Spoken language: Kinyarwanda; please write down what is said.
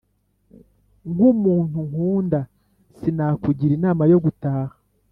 nk’umuntu nkunda sinakugira inama yo gutaha,